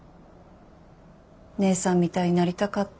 姉さんみたいになりたかった。